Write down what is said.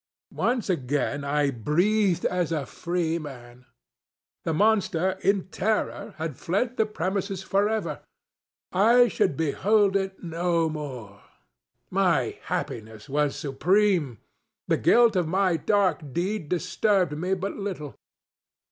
Once again I breathed as a freeman. The monster, in terror, had fled the premises forever! I should behold it no more! My happiness was supreme! The guilt of my dark deed disturbed me but little.